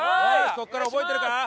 ここから覚えてるか？